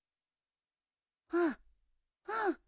うんうん。